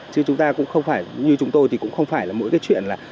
chứ chúng ta cũng không phải như chúng tôi thì cũng không phải là mỗi cái chuyện là